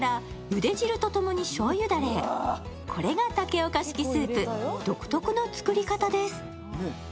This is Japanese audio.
これが竹岡式スープ、独特の作り方です。